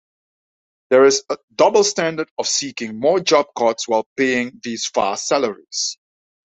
There is double-standard of seeking more job cuts while paying these vast salaries.